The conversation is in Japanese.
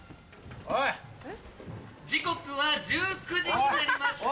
・時刻は１９時になりました